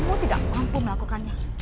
kamu tidak mampu melakukannya